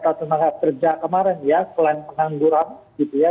data tenaga kerja kemarin ya selain penangguran gitu ya